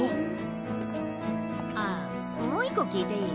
あっもう１個聞いていい？